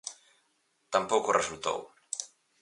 Tampouco resultou.